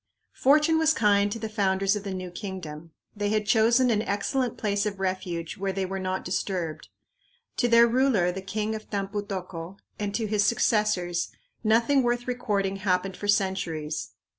Fortune was kind to the founders of the new kingdom. They had chosen an excellent place of refuge where they were not disturbed. To their ruler, the king of Tampu tocco, and to his successors nothing worth recording happened for centuries.